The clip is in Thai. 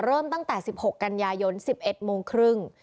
เริ่มตั้งแต่๑๖กันยายน๑๑โมงครึ่ง